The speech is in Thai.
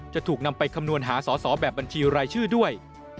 จะถูกนำไปคำนวณหาสอสอแบบบัญชีรายชื่อด้วย